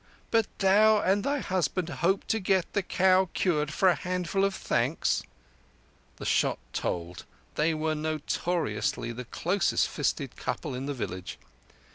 "But thou and thy husband hoped to get the cow cured for a handful of thanks." The shot told: they were notoriously the closest fisted couple in the village.